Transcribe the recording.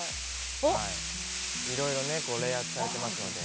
いろいろレイアウトされてますので。